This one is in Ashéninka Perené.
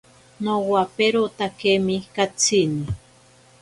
Nowaperotakemi katsini.